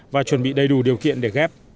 và chuẩn bị đầy đủ điều kiện để ghép